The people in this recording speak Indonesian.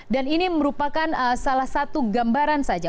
dan ini merupakan salah satu gambaran saja